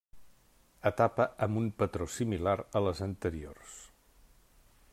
Etapa amb un patró similar a les anteriors.